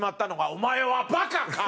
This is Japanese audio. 「お前はバカか？」